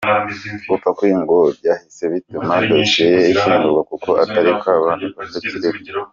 Gupfa kwe ngo byahise bituma dossier ye ishyingurwa kuko atari kuburanishwa atakiriho.